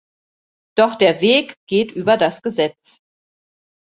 Doch der Weg geht über das Gesetz.